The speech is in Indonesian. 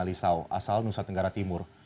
di kalisau asal nusa tenggara timur